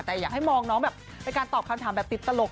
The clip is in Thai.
แต่อยากให้มองน้องแบบเป็นการตอบคำถามแบบติดตลก